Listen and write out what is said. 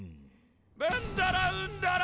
ベンダラウンダラ。